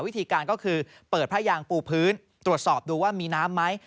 วิธีการก็คือเปิดผ้ายางปูพื้นตรวจสอบดูว่ามีน้ำไหม